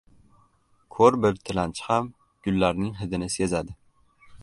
• Ko‘r bir tilanchi ham gullarning hidini sezadi.